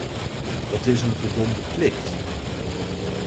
Dat is een verdomde plicht!